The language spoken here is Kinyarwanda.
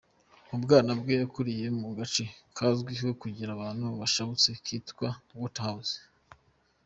Mu bwana bwe yakuriye mu gace kazwiho kugira abantu bashabutse kitwa “Waterhouse”.